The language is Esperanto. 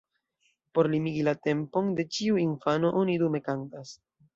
Por limigi la tempon de ĉiu infano oni dume kantas.